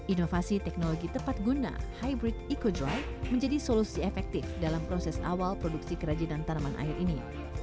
inovasi teknologi tepat guna hybrid eco drive menjadi solusi efektif dalam proses awal produksi kerajinan tanaman air ini